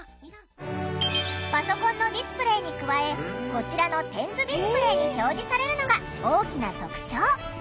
パソコンのディスプレーに加えこちらの点図ディスプレーに表示されるのが大きな特徴。